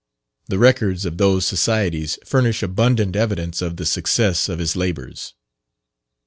The records of those societies furnish abundant evidence of the success of his labours.